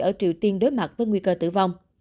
ở triều tiên đối mặt với nguy cơ tử vong